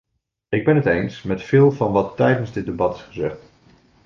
Ik ben het eens met veel van wat tijdens dit debat is gezegd.